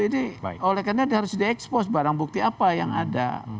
ini oleh karena harus di expose barang bukti apa yang ada